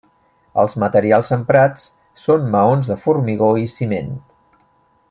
Els materials emprats són maons de formigó i ciment.